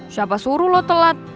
siapa suruh lo telat